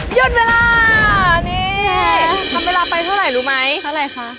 หยุดเวลานี่ทำเวลาไปเท่าไหร่รู้ไหมเท่าไหร่คะ